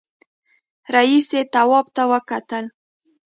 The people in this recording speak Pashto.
رئيسې تواب ته وکتل.